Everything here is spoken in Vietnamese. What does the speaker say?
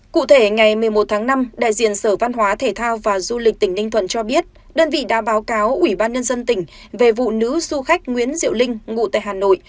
cụ thể ngày một mươi một tháng năm đại diện sở văn hóa thể thao và du lịch tỉnh ninh thuận cho biết đơn vị đã báo cáo ủy ban nhân dân tỉnh về vụ nữ du khách nguyễn diệu linh ngụ tại hà nội